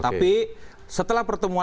tapi setelah pertemuan